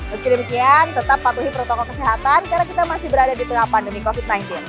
meski demikian tetap patuhi protokol kesehatan karena kita masih berada di tengah pandemi covid sembilan belas